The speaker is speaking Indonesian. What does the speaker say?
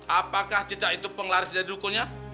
apakah cicak itu penglaris dari rukunnya